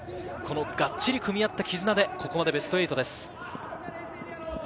このがっちり組み合った絆でここまでベスト８です。